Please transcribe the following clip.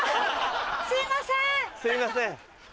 すいません！